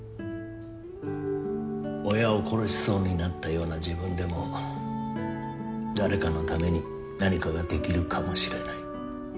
「親を殺しそうになったような自分でも誰かのために何かができるかもしれない」